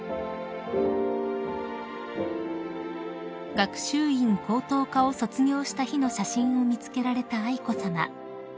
［学習院高等科を卒業した日の写真を見つけられた愛子さま］